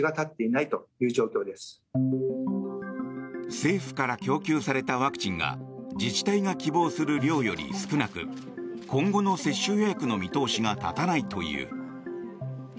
政府から供給されたワクチンが自治体から希望する量より少なく今後の接種予約の見通しが立たないという。